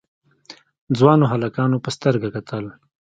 ځوانو هلکانو په سترګه کتل.